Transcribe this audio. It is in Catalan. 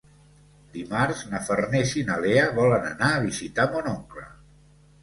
Dimarts na Farners i na Lea volen anar a visitar mon oncle.